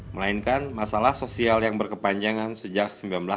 melainkan masalah sosial yang berkepanjangan sejak seribu sembilan ratus delapan puluh